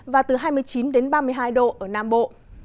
và từ hai mươi chín đến ba mươi hai độ ở nam bộ